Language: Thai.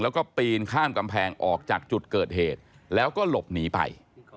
แล้วก็ปีนข้ามกำแพงออกจากจุดเกิดเหตุแล้วก็หลบหนีไป